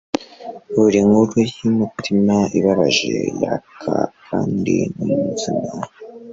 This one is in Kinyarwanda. buri nkuru yumutima, ibabaje, yaka kandi ni muzima